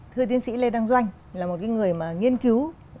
thưa tiến sĩ lê đăng doanh là một người mà nghiên cứu